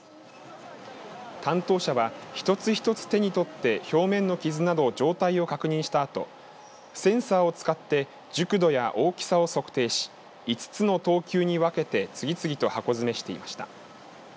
担当者は一つ一つ手に取って表面の傷など状態を確認したあとセンサーを使って熟度や大きさを測定し５つの等級に分けて次々と箱詰めしていました。